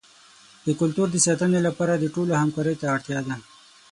د کلتور د ساتنې لپاره د ټولو همکارۍ ته اړتیا ده.